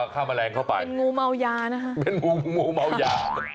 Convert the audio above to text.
ยาฆ่าแมลงเข้าไปนั่นงูเมายานะครับเป็นงูเมายา